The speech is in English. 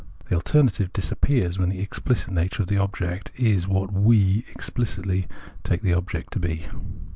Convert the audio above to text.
The alternative disappears when the explicit nature of the object is what "we" explicitly take the object to be.